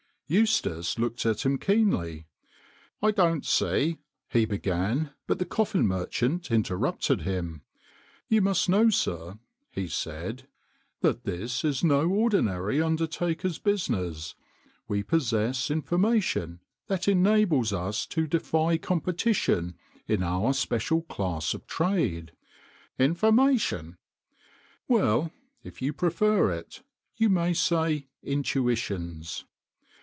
Eustace looked at him keenly. " I don't see " he began. But the coffin merchant interrupted him. " You must know, sir," he said, " that this is no ordinary undertaker's business. We possess information that enables us to defy competition in our special class of trade." " Information 1 "" Well, if you prefer it, you may say intui tions.